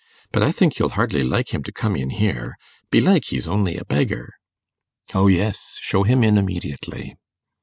But I think you'll hardly like him to come in here. Belike he's only a beggar.' 'O yes, show him in immediately.